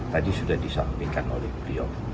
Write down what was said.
tadi sudah disampaikan oleh beliau